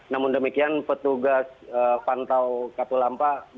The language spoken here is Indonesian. namun demikian petugas pantau katulampa